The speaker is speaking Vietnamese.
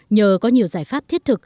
nhờ có nhiều giải pháp thiết